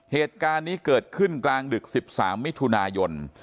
เหตุการณ์นี้เกิดขึ้นกลางดึก๑๓มิถุนายน